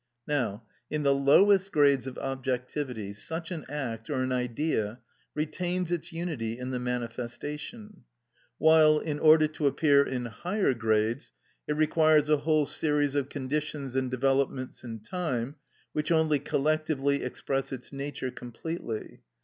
Now, in the lowest grades of objectivity, such an act (or an Idea) retains its unity in the manifestation; while, in order to appear in higher grades, it requires a whole series of conditions and developments in time, which only collectively express its nature completely.